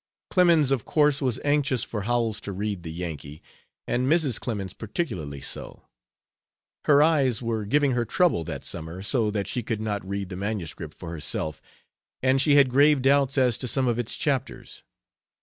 Clemens, of course, was anxious for Howells to read The Yankee, and Mrs. Clemens particularly so. Her eyes were giving her trouble that summer, so that she could not read the MS. for herself, and she had grave doubts as to some of its chapters.